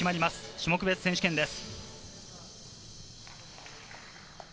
種目別選手権です。